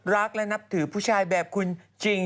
รักและนับถือผู้ชายแบบคุณจริง